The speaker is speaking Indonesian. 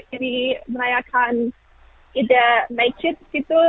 ini merayakan ide naikit gitu